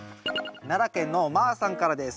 奈良県のまぁさんからです。